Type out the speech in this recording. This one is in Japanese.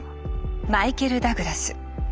マイケル・ダグラス。